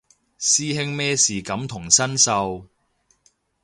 師兄咩事感同身受